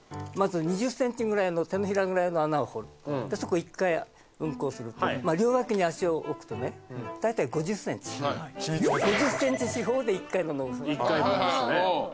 まず２０ｃｍぐらいの手のひらぐらいの穴を掘るそこ１回ウンコをすると両脇に足を置くとね大体５０ｃｍ５０ｃｍ四方で１回の野グソができる１回分ですね